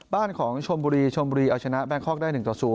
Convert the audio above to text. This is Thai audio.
บ้านของชมบุรีชมบุรีเอาชนะแบงคอกได้๑ต่อ๐